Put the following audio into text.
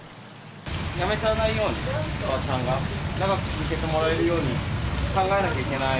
辞めちゃわないように、パートさんが、長く続けてもらえるように考えなきゃいけない。